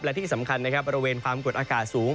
และที่สำคัญนะครับบริเวณความกดอากาศสูง